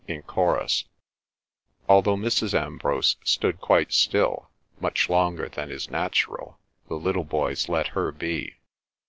in chorus. Although Mrs. Ambrose stood quite still, much longer than is natural, the little boys let her be.